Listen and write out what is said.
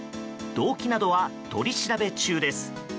動機などは取り調べ中です。